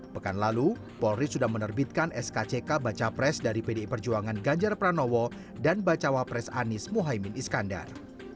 pekan lalu polri sudah menerbitkan skck baca pres dari pdi perjuangan ganjar pranowo dan bacawa pres anies mohaimin iskandar